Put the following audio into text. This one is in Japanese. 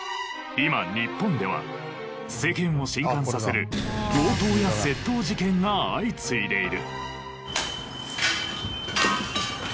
今日本では世間を震撼させる強盗や窃盗事件が相次いでいる。